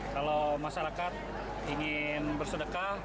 kalau masyarakat ingin bersedekah